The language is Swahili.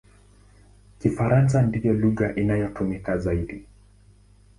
Kifaransa ndiyo lugha inayotumika zaidi.